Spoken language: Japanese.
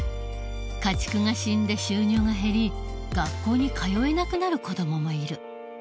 家畜が死んで収入が減り学校に通えなくなる子どももいる。